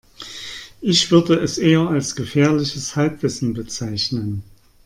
Ich würde es eher als gefährliches Halbwissen bezeichnen.